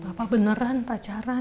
papa beneran pacaran